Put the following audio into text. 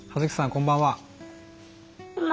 こんばんは。